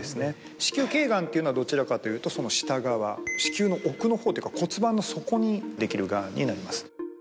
子宮頸がんっていうのはどちらかというとその下側子宮の奥のほうというか骨盤の底にできるガンになります。